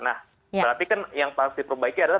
nah berarti kan yang pasti terbaiknya adalah